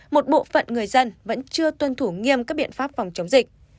một bộ phận người dân vẫn chưa tuân thủ nghiêm các biện pháp phòng chống dịch